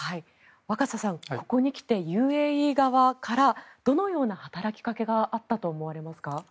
若狭さん、ここに来てＵＡＥ側からどのような働きかけがあったと思われますか。